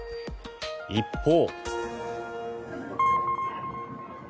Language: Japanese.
一方。